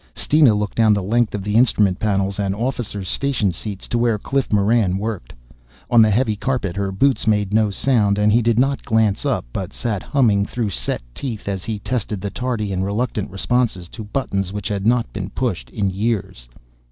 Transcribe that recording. Steena looked down the length of the instrument panels and officers' station seats to where Cliff Moran worked. On the heavy carpet her boots made no sound and he did not glance up but sat humming through set teeth as he tested the tardy and reluctant responses to buttons which had not been pushed in years.